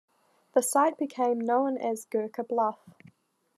The site became known as 'Gurkha Bluff'.